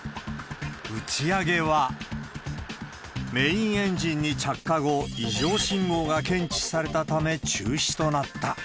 打ち上げは、メインエンジンに着火後、異常信号が検知されたため、中止となった。